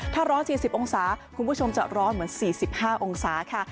ถ้า๑๔๐องศาคุณผู้ชมจะร้อนเหมือน๔๕องศาค่ะ